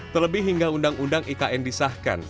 terlebih hingga undang undang ikn disahkan